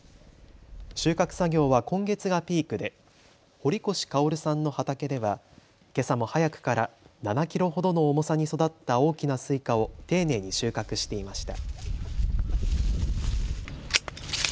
収穫作業は今月がピークで堀越薫さんの畑ではけさも早くから７キロほどの重さに育った大きなスイカを丁寧に収穫していました。